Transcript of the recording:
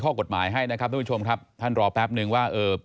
ข้อกฎหมายให้นะครับท่านผู้ชมครับ